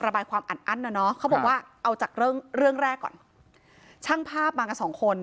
ระบายความอัดอั้นนะเนอะเขาบอกว่าเอาจากเรื่องเรื่องแรกก่อนช่างภาพมากันสองคน